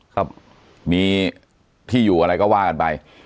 ครับมีที่อยู่อะไรก็ว่ากันไป